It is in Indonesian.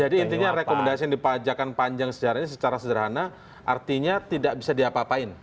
jadi intinya rekomendasi yang dipajakkan panjang sejarah ini secara sederhana artinya tidak bisa diapa apain